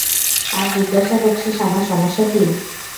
আর জিজ্ঞাসা করছিস আমার সমস্যা কি?